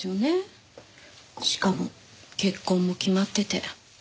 しかも結婚も決まってて。